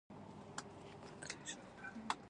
موږ کولی شول، چې هغوی ته خپلې مفکورې بیان کړو.